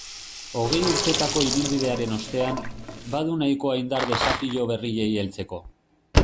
Hogei urtetako ibilbidearen ostean, badu nahikoa indar desafio berriei heltzeko.